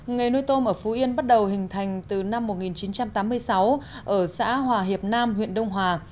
nghề nuôi tôm ở phú yên bắt đầu hình thành từ năm một nghìn chín trăm tám mươi sáu ở xã hòa hiệp nam huyện đông hòa